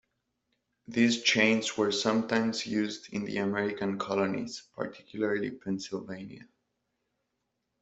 These chains were sometimes used in the American colonies, particularly Pennsylvania.